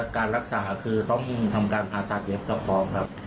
การรักษาคือต้องทำการผ่าตัดเย็บสปองครับ